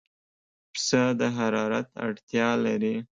پسه د حرارت اړتیا لري.